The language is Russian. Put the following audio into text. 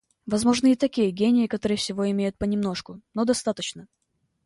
Возможны и такие гении, которые всего имеют понемножку, но достаточно.